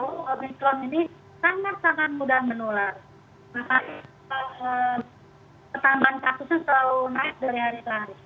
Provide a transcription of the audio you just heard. maka ketambahan kasusnya selalu naik dari hari ke hari